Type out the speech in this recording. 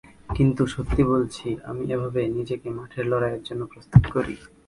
কিন্তু সত্যি বলছি, আমি এভাবেই নিজেকে মাঠের লড়াইয়ের জন্য প্রস্তুত করি।